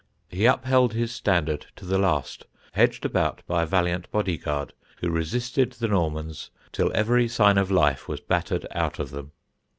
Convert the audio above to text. He upheld his standard to the last, hedged about by a valiant bodyguard who resisted the Normans till every sign of life was battered out of them.